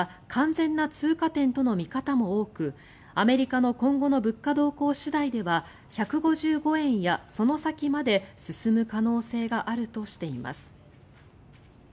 １５０円は完全な通過点との見方も多くアメリカの今後の物価動向次第では１５５円やその先まで進む可能性があるとしています。